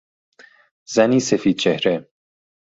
زنی سفید چهره